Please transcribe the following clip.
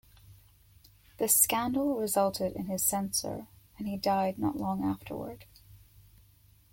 The scandal resulted in his censure, and he died not long afterward.